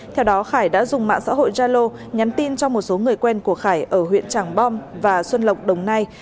theo đó khải đã dùng mạng xã hội gia lô nhắn tin cho một số người quen của khải ở huyện tràng bom và xuân lộc đồng nai